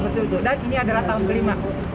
saya sudah empat tahun bu dan ini adalah tahun kelima